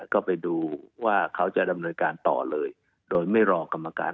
ก็ไปดูว่าเขาจะดำเนินการต่อเลยโดยไม่รอกรรมการ